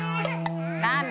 ダメ！